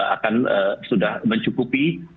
akan sudah mencukupi